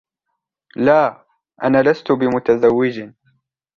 لا، أنا لست بمتزوج.